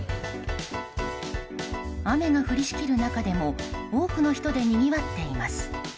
雨が降りしきる中でも多くの人でにぎわっています。